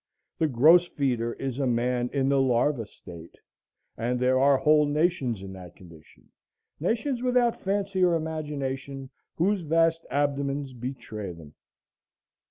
The gross feeder is a man in the larva state; and there are whole nations in that condition, nations without fancy or imagination, whose vast abdomens betray them.